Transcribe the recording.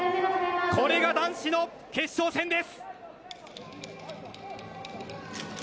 これが男子の決勝戦です。